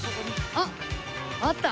あっあった。